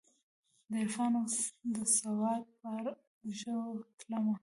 دعرفان اودسواد په اوږو تلمه